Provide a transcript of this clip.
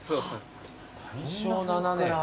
大正７年。